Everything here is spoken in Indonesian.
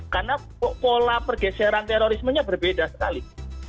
karena pola pergeseran terorismenya berbeda sekali